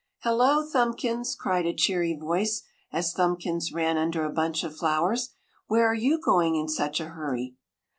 "Hello, Thumbkins!" cried a cheery voice as Thumbkins ran under a bunch of flowers. "Where are you going in such a hurry?"